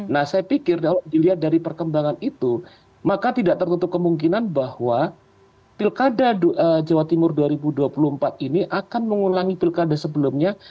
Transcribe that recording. nah saya pikir kalau dilihat dari perkembangan itu maka tidak tertutup kemungkinan bahwa pilkada jawa timur dua ribu dua puluh empat ini akan mengulangi pilkada sebelumnya